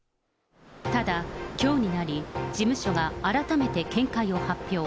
ただ、きょうになり、事務所が改めて見解を発表。